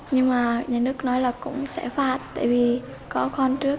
nhưng mà nhà nước nói là cũng sẽ phạt tại vì có con trước